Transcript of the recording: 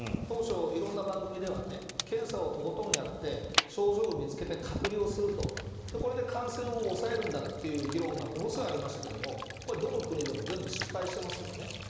当初、いろんな番組では検査をとことんやって症状を見つけて隔離をするとこれで感染を抑えるんだという議論がものすごいありましたけどどの国でも全部失敗していますよね。